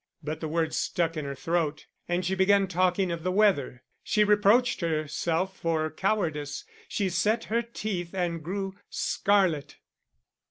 But the words stuck in her throat, and she began talking of the weather. She reproached herself for cowardice; she set her teeth and grew scarlet.